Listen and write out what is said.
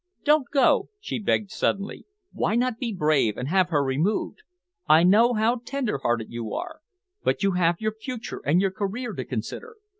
"Don't go," she begged suddenly. "Why not be brave and have her removed. I know how tender hearted you are, but you have your future and your career to consider.